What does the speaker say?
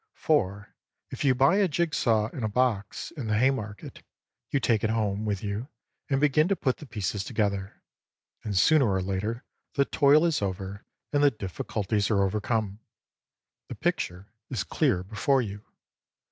For if you buy a jig saw in a box in the Hay market, you take it home with you and begin to put the pieces together, and sooner or later the toil is over and the difficulties are overcome : the picture is clear before yau.